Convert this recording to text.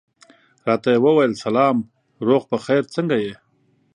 راته یې وویل سلام، روغ په خیر، څنګه یې؟